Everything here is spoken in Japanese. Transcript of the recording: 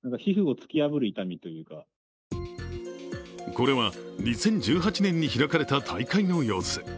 これは２０１８年に開かれた大会の様子。